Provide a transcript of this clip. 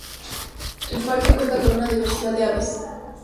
El parque cuenta con una diversidad de aves.